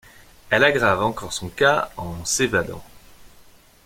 Elle aggrave encore son cas en s'évadant.